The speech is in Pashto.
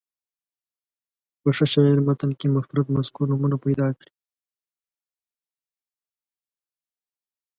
په ښه شاعر متن کې مفرد مذکر نومونه پیدا کړي.